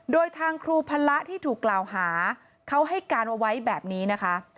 โดยทางครูพละที่ถูกกล่าวหาเขาให้การเอาไว้แบบนี้นะคะ